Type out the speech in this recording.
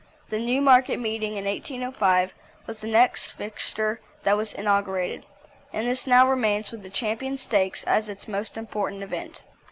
The Newmarket Meeting in 1805 was the next fixture that was inaugurated, and this now remains with the champion stakes as its most important event.